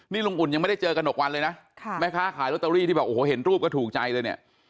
นี่ลุงอุ่นยังไม่ได้เจอกระหกวันเลยนะแม่ค้าขายลอตเตอรี่ที่บอกโอ้โหเห็นรูปก็ถูกใจเลยเนี่ย